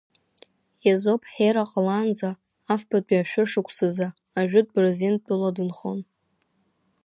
Езоп ҳера ҟалаанӡа афбатәи ашәышықәсазы Ажәытә Бырзентәыла дынхон.